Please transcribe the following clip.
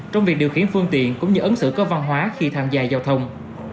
trong việc điều khiển phương tiện cũng như ấn sử các văn hóa khi tham gia giao thông